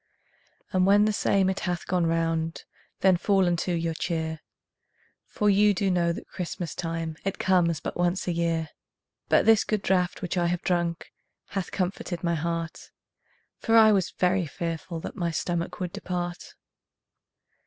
And when the same it hath gone round Then fall unto your cheer, For you do know that Christmas time It comes but once a year. But this good draught which I have drunk Hath comforted my heart, For I was very fearful that My stomach would depart.